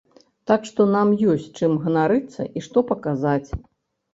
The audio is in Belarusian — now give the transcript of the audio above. Так што нам ёсць чым ганарыцца і што паказаць.